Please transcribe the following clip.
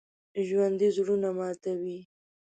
ژوندي زړونه ماتوي